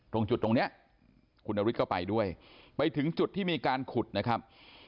ตรงจุดตรงเนี้ยคุณนฤทธิก็ไปด้วยไปถึงจุดที่มีการขุดนะครับ